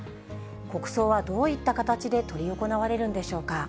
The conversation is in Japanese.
国葬はどういった形で執り行われるんでしょうか。